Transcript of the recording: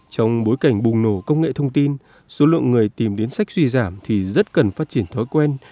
trong bối cảnh bùng nổ công nghệ thông tin số lượng người tìm đến sách suy giảm thì rất cần phát triển thói quen